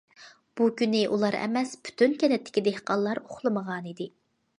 بۇ كۈنى ئۇلا ئەمەس، پۈتۈن كەنتتىكى دېھقانلار ئۇخلىمىغانىدى.